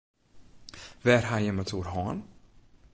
Wêr ha jim it oer hân?